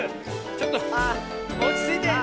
ちょっとおちついて。